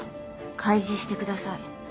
開示してください。